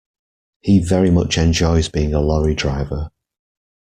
He very much enjoys being a lorry driver